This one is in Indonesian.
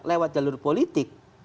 lewat jalur politik